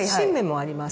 ありますね。